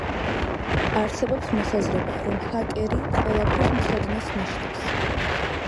არსებობს მოსაზრება რომ ჰაკერი „ყველაფრის მცოდნეს“ ნიშნავს.